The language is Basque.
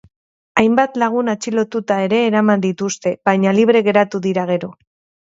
Hainbat lagun atxilotuta ere eraman dituzte, baina libre geratu dira gero.